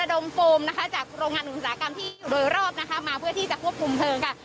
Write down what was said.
ดมโฟมนะคะจากโรงงานอุตสาหกรรมที่อยู่โดยรอบนะคะมาเพื่อที่จะควบคุมเพลิงค่ะ